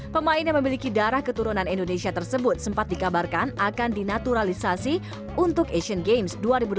pemain yang memiliki darah keturunan indonesia tersebut sempat dikabarkan akan dinaturalisasi untuk asian games dua ribu delapan belas